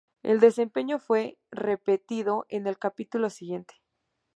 El desempeño fue repetido en el capítulo siguiente.